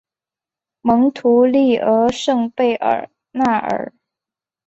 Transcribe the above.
蒙图利厄圣贝尔纳尔。